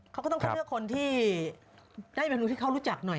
เขาก็ต้องเข้าเชื่อคนที่ได้เป็นคนที่เขารู้จักหน่อยนะ